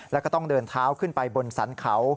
แล้วก็ต้องเดินเท้าขึ้นไปบนสรรเขา